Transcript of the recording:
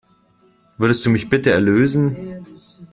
Würdest du mich bitte erlösen?